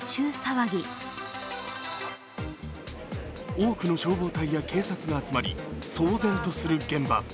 多くの消防隊や警察が集まり騒然とする現場。